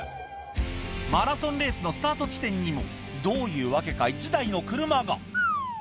マラソンレースのスタート地点にも、どういうわけか、１台の車が。